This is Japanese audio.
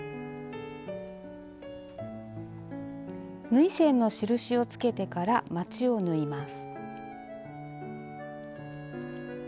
縫い線の印をつけてからまちを縫います。